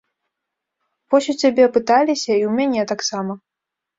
Вось у цябе пыталіся, і ў мяне таксама.